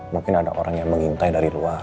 mungkin ada orang yang mengintai dari luar